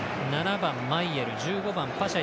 ７番、マイエル１５番パシャ